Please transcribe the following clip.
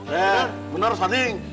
eh benar sading